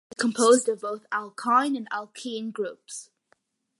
It is composed of both alkyne and alkene groups.